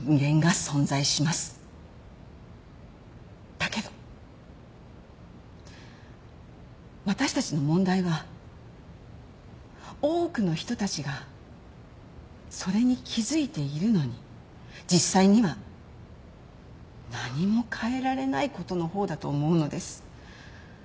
だけど私たちの問題は多くの人たちがそれに気付いているのに実際には何も変えられないことの方だと思うのです。